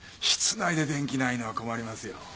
室内で電気ないのは困りますよ。